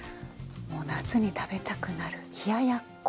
夏に食べたくなる冷ややっこ。